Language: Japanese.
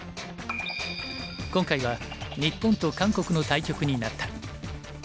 今回は日本と韓国の対局になった。